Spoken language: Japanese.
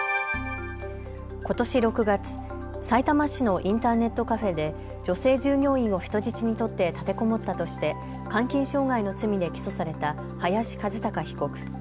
ことし６月、さいたま市のインターネットカフェで女性従業員を人質に取って立てこもったとして監禁傷害の罪で起訴された林一貴被告。